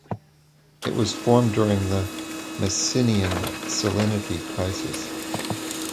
It was formed during the Messinian salinity crisis.